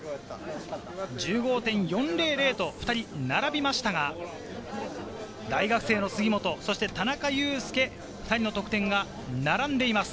１５．４００と２人並びましたが、大学生の杉本、そして田中佑典、２人の得点が並んでいます。